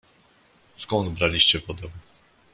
"Skąd braliście wodę?"